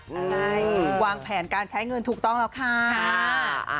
ใช่วางแผนการใช้เงินถูกต้องแล้วค่ะ